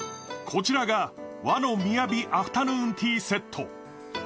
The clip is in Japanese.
こちらが和の雅アフタヌーンティーセット。